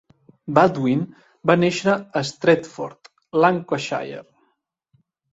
Baldwin va néixer a Stretford, Lancashire.